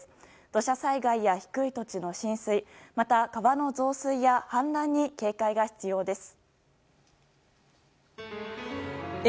土砂災害や低い土地の浸水また川の増水や氾濫に警戒が必要です。